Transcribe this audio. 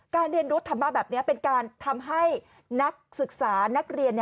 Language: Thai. เรียนรู้ธรรมะแบบนี้เป็นการทำให้นักศึกษานักเรียน